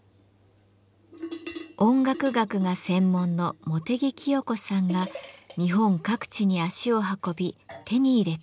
音楽学が専門の茂手木潔子さんが日本各地に足を運び手に入れた鈴。